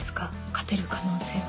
勝てる可能性は。